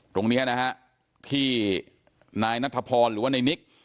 ตรงนี้นะฮะที่นายนัทพรหรือว่าในนิก